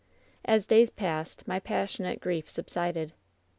"As days passed my passionate grief subsided.